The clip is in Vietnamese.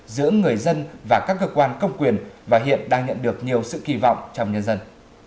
giữa người dân và các cơ quan công quyền và hiện đang nhận được nhiều sự kỳ vọng trong nhân dân